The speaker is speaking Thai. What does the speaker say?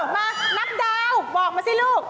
มานับดาวบอกมาสิลูก